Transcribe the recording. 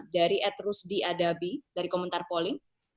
dari atrusdiadabi dari komentar polling